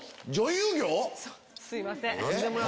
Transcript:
すいません。